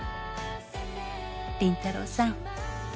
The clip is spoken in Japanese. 「林太郎さん」